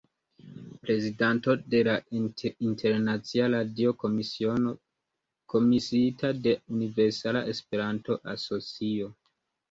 Prezidanto de la Internacia Radio-Komisiono, komisiita de Universala Esperanto-Asocio.